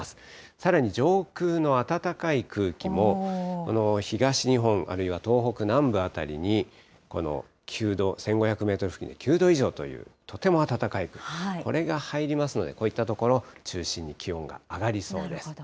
さらに上空の暖かい空気も東日本、あるいは東北南部辺りに、９度、１５００メートル付近で９度以上というとても暖かい空気、これが入りますので、こういった所、中心に気温が上がりそうです。